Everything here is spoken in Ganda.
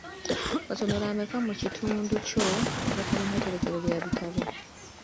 Amasomero ameka mu kiundu kio agatalina tterekero lya bitabo?